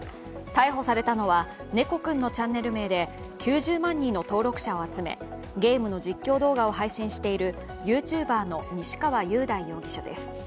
逮捕されたのは、ねこくん！のチャンネル名で９０万人の登録者を集めゲームの実況動画を配信しているＹｏｕＴｕｂｅｒの西川雄大容疑者です。